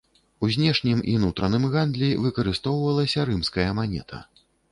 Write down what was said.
У знешнім і нутраным гандлі выкарыстоўвалася рымская манета.